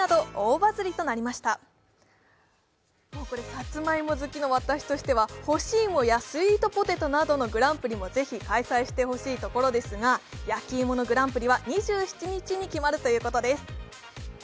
これ、さつまいも好きの私としては干し芋やスイートポテトなどのグランプリもぜひ開催してほしいところですが焼き芋のグランプリは２７日に決まるということです。